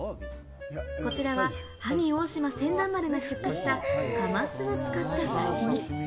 こちらは萩大島船団丸が出荷した、カマスを使った刺し身。